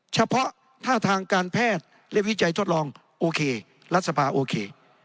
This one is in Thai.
เฉพาะท่าทางการแพทย์และวิจัยทดลองโอเครัฐสภาโอเค